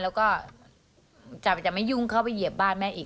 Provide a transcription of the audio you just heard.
แล้วก็จับจะไม่ยุ่งเข้าไปเหยียบบ้านแม่อีก